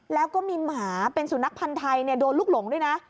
แล้วก็มีหมาเป็นสุนัขพันธ์ไทยโดนลูกหลงด้วยนะ